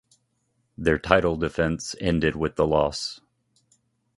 Their title defense ended with the loss.